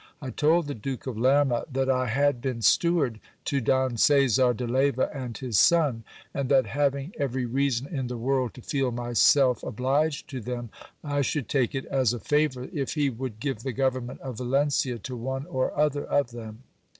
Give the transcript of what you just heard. I told the Duke of Lerma that I hid been steward to Don Caesar de Leyva and his son ; and that having every reason in the world to feel myself obliged to them, I should take it as a favour if he would give the government of Valencia to one or other of them.